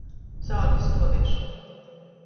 Saulis stuoviešona.